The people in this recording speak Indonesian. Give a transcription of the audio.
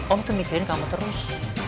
om tuh mikirin kamu terus